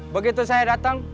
begitu saya datang